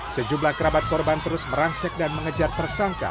sejumlah kerabat korban terus merangsek dan mengejar tersangka